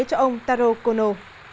cho ông taro kono